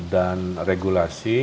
dan juga regulasi